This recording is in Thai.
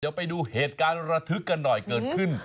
เดี๋ยวไปดูเหตุการณ์ระทึกกันหน่อยเกิดขึ้น